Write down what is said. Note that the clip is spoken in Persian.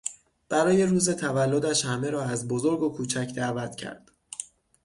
برای روز تولدش همه را از بزرگ و کوچک دعوت کرد.